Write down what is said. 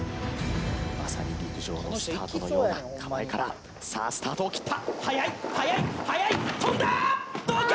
まさに陸上のスタートのような構えからさあスタートを切った速い速い速い跳んだどうか？